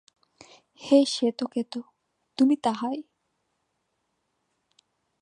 হে শ্বেতকেতো, তুমি তাহাই।